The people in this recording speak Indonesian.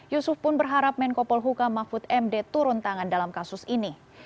yusuf pun berharap menko polhuka mahfud md turun tangan dalam kasus ini